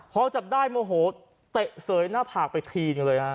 พอจับได้โมโหเตะเสยหน้าผากไปทีหนึ่งเลยฮะ